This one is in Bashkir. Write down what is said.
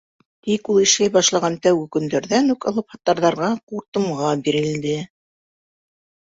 Тик ул эшләй башлаған тәүге көндәрҙән үк алыпһатарҙарға ҡуртымға бирелде.